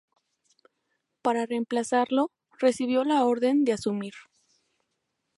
Para reemplazarlo, recibió la orden de asumir.